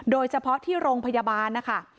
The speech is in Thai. โดยเฉพาะที่โรงพยาบาลนะคะ